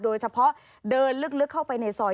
โดยเฉพาะเดินลึกเข้าไปในซอย